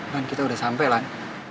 lan kita udah sampe lan